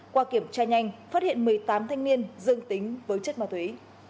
qua kiểm tra nhanh phát hiện một mươi tám thanh niên dương tính với chất ma túy